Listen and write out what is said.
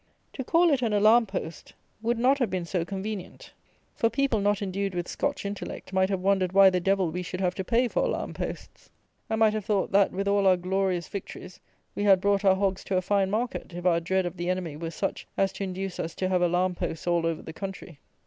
To call it an alarm post would not have been so convenient; for people not endued with Scotch intellect might have wondered why the devil we should have to pay for alarm posts; and might have thought, that, with all our "glorious victories," we had "brought our hogs to a fine market," if our dread of the enemy were such as to induce us to have alarm posts all over the country!